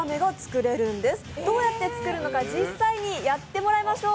どうやって作るのか実際にやってもらいましょう。